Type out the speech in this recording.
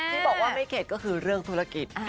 ที่บอกว่าไม่เข็ดก็คือเรื่องธุรกิจ